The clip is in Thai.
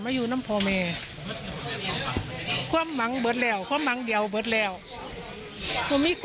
ให้ตำรวจเอาให้ได้